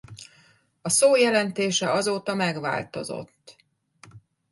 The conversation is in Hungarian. A szó jelentése azóta megváltozott.